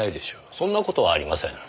そんな事はありません。